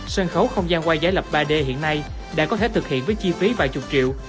sân khấu không gian qua giấy lập ba d hiện nay đã có thể thực hiện với chi phí vài chục triệu